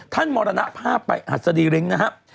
มรณภาพไปหัสดีลิ้งนะครับ